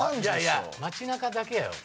街なかだけやろ。